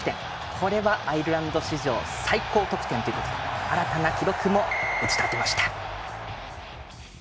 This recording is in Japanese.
これはアイルランド史上最高得点ということで新たな記録も打ち立てました。